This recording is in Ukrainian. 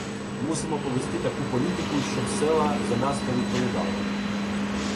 Мусимо повести таку "політику", щоб села за нас не відповідали.